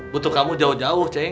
butuh kamu jauh jauh